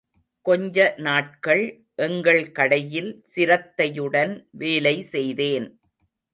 கொஞ்சநாட்கள் எங்கள் கடையில் சிரத்தையுடன் வேலை செய்தேன்.